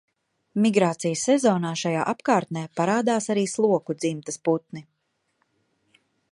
Migrācijas sezonā šajā apkārtnē parādās arī sloku dzimtas putni.